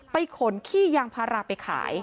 ขนขี้ยางพาราไปขาย